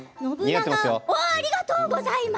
ありがとうございます。